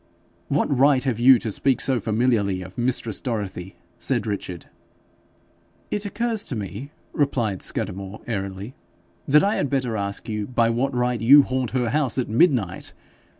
'What right have you to speak so familiarly of mistress Dorothy?' said Richard. 'It occurs to me,' replied Scudamore, airily, 'that I had better ask you by what right you haunt her house at midnight.